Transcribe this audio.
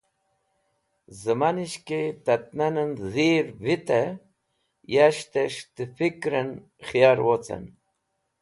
Zamanish ki Tat Nanen Dhir Vitey, Yashtes̃h tẽ Fikren Khiyar Wocen